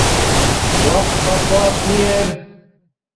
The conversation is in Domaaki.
وقت برباد نی ار